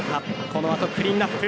このあとクリーンアップ。